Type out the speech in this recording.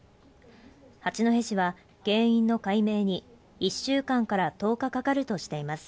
八戸市は原因の解明に１週間から１０日かかるとしています